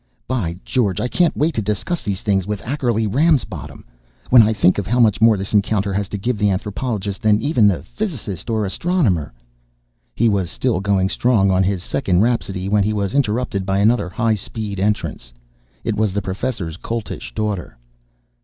By George, I can't wait to discuss these things with Ackerly Ramsbottom! When I think of how much more this encounter has to give the anthropologist than even the physicist or astronomer ..." He was still going strong on his second rhapsody when he was interrupted by another high speed entrance. It was the Professor's Coltish Daughter.